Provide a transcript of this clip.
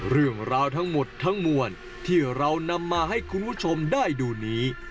เรื่องราวทั้งหมดทั้งมวลที่เรานำมาให้คุณผู้ชมได้ดูนี้